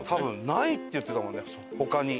「ない」って言ってたもんね他に。